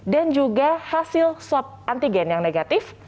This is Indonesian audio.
dan juga hasil swab antigen yang negatif